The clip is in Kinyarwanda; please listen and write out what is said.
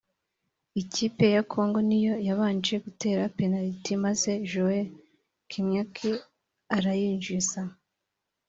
Ikipe ya Congo niyo yabanje gutera Penaliti maze Joel Kimwaki arayinjiza